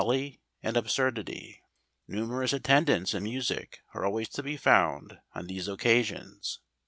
lly and absurdity. Numerous attend¬ ants, and music, are always to be found on these occasions.